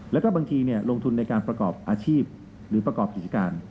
แล้วก็บางทีลงทุนในการประกอบอาชีพหรือประกอบกิจการ